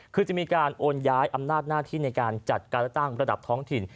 คือจะมีการโอนย้ายอำนาจหน้าที่ในการจัดการเลือกตั้งระดับท้องถิ่น